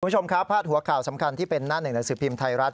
คุณผู้ชมครับพาดหัวข่าวสำคัญที่เป็นหน้าหนึ่งหนังสือพิมพ์ไทยรัฐ